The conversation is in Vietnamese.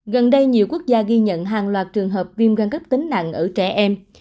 gần đây nhiều quốc gia ghi nhận hàng loạt trường hợp viêm gan cấp tính nặng ở trẻ em